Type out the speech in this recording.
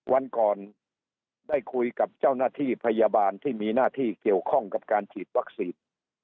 วันก่อนได้คุยกับเจ้าหน้าที่พยาบาลที่มีหน้าที่เกี่ยวข้องกับการฉีดวัคซีน